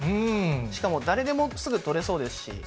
しかも誰でもすぐ撮れそうですし。